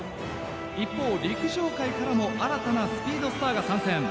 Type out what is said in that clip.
一方陸上界からも新たなスピードスターが参戦。